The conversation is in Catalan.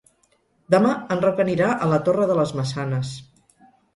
Demà en Roc anirà a la Torre de les Maçanes.